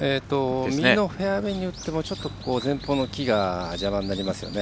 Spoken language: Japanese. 右のフェアウエーに打っても、ちょっと前方の木が邪魔になりますよね。